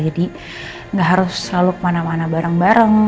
jadi gak harus selalu kemana mana bareng bareng